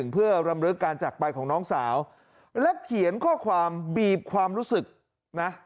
เพื่อรำลึกการจักรไปของน้องสาวและเขียนข้อความบีบความรู้สึกนะ